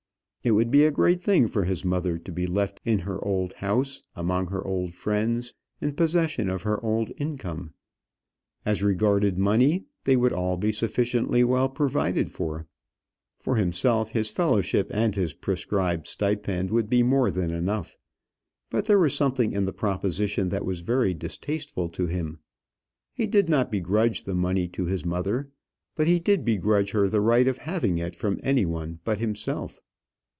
It would be a great thing for his mother to be left in her old house, among her old friends, in possession of her old income. As regarded money, they would all be sufficiently well provided for. For himself, his fellowship and his prescribed stipend would be more than enough. But there was something in the proposition that was very distasteful to him. He did not begrudge the money to his mother; but he did begrudge her the right of having it from any one but himself.